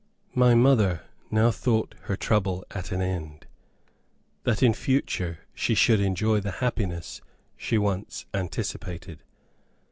My mother now thought her trouble at an end, that in future she should enjoy the happiness she once anticipated.